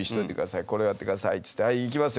これをやってくださいって言ってはい行きますよ